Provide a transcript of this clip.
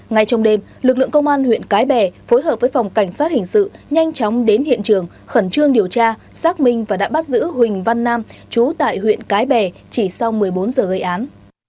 ngay trong đêm lực lượng công an huyện cái bè phối hợp với phòng cảnh sát hình sự nhanh chóng đến hiện trường khẩn trương điều tra xác minh và đã bắt giữ huỳnh văn nam chú tại huyện cái bè chỉ sau một mươi bốn giờ gây án